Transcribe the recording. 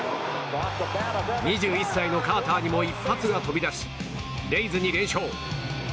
２１歳のカーターにも一発が飛び出し、レイズに連勝。